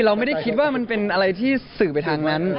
เราไม่ได้คิดว่ามันเป็นอะไรที่สื่อไปทางนั้น